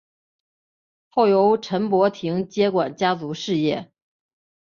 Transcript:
后由陈柏廷接管家族事业。